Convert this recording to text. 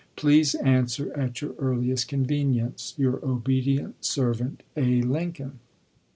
Please answer at your ms. earliest convenience. Your obedient servant, A. Lincoln.